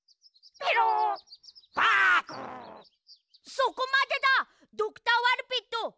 そこまでだドクター・ワルピット！